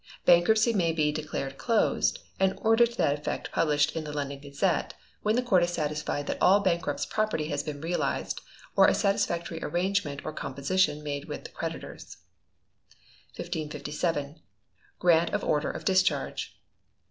Bankruptcy may be declared closed, and order to that effect published in the 'London Gazette', when the Court is satisfied that all bankrupt's property has been realised, or a satisfactory arrangement or composition made with the creditors. 1557. Grant of Order of Discharge.